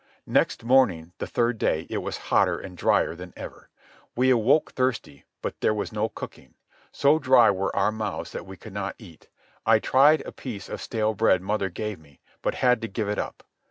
Next morning, the third day, it was hotter and dryer than ever. We awoke thirsty, and there was no cooking. So dry were our mouths that we could not eat. I tried a piece of stale bread mother gave me, but had to give it up.